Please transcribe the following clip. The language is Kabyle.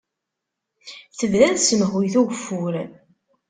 Tebda tsemhuyt ugeffur.